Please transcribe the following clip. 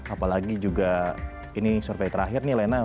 apalagi juga ini survei terakhir nih lena